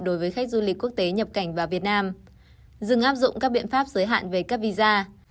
đối với khách du lịch quốc tế nhập cảnh vào việt nam dừng áp dụng các biện pháp giới hạn về cấp visa